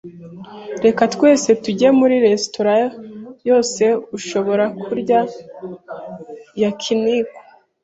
Reka twese tujye muri resitora-yose ushobora kurya-Yakiniku.